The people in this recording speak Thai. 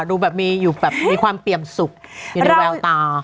ดูแบบมีความเตรียมสุขมีความเว้าตา